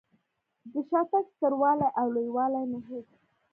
د شاتګ ستر والی او لوی والی مې هېڅ.